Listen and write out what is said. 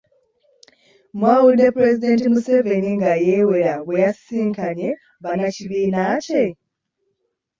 Mwawulidde Pulezidenti Museveni nga yeewera bwe yasisinkanye bannakibiina kye